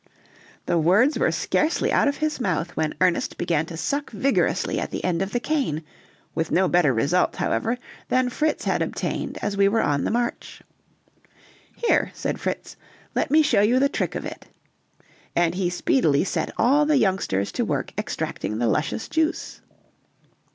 The words were scarcely out of his mouth when Ernest began to suck vigorously at the end of the cane, with no better result, however, than Fritz had obtained as we were on the march. "Here," said Fritz, "let me show you the trick of it," and he speedily set all the youngsters to work extracting the luscious juice.